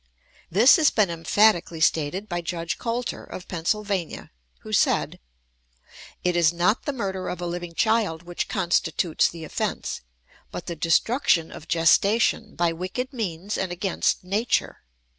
This has been emphatically stated by Judge Coulter, of Pennsylvania, who said: "_It is not the murder of a living child which constitutes the offense, but the destruction of gestation by wicked means and against nature.